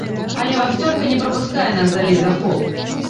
Але вахцёрка не прапускае нас далей за хол.